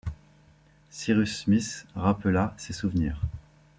Cyrus Smith rappela ses souvenirs